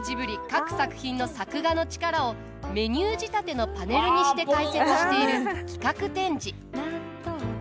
各作品の作画の力を、メニュー仕立てのパネルにして解説している企画展示。